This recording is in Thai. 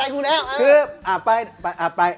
เก่งสูงไม่พอใจกูแล้ว